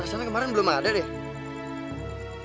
sampai kemarin belum ada deh